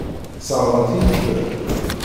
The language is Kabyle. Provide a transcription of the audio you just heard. Sseṛɣent-iyi-ten.